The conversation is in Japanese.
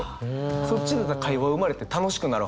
そっちだったら会話生まれて楽しくなるはず。